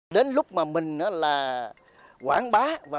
đến lúc mà mình là quán bá